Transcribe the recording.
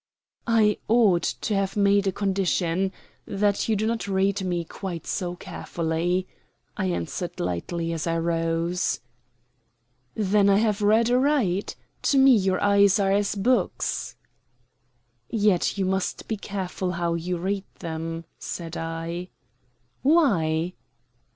"I ought to have made a condition that you do not read me quite so carefully," I answered lightly as I rose. "Then I have read aright? To me your eyes are as books." "Yet you must be careful how you read them," said I. "Why?"